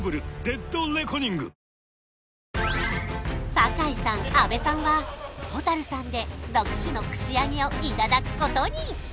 堺さん阿部さんはほたるさんで６種の串揚げをいただくことに！